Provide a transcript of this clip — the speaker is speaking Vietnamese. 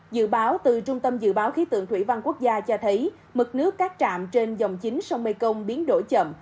dự báo từ trung tâm dự báo khí tượng thủy văn quốc gia cho thấy mực nước các trạm trên dòng chính sông mekong biến đổi chậm